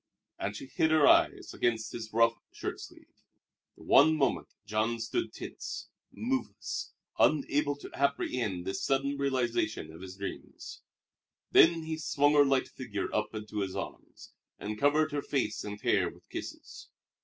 And she hid her eyes against his rough shirt sleeve. For one moment Jean stood tense, moveless, unable to apprehend this sudden realization of his dreams. Then he swung her light figure up into his arms, and covered her face and hair with kisses.